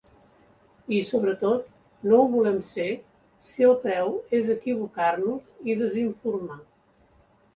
I, sobretot, no ho volem ser si el preu és equivocar-nos i desinformar.